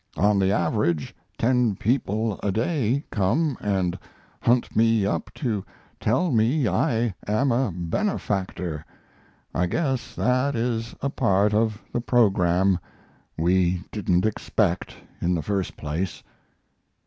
"On the average ten people a day come and hunt me up to tell me I am a benefactor! I guess that is a part of the program we didn't expect, in the first place."